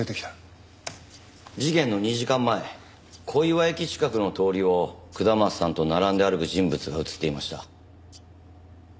事件の２時間前小岩駅近くの通りを下松さんと並んで歩く人物が映っていました。